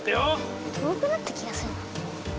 とおくなったきがするな。